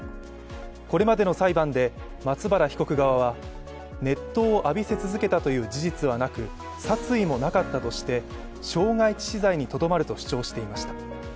これまでの裁判で松原被告側は熱湯を浴びせ続けたという事実はなく殺意もなかったとして、傷害致死罪にとどまると主張していました。